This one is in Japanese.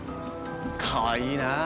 かわいいなあ。